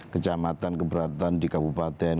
kecamatan keberatan di kabupaten